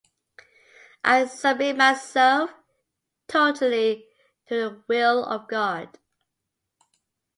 I submit myself totally to the will of God.